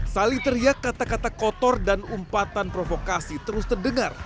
saling teriak kata kata kotor dan umpatan provokasi terus terdengar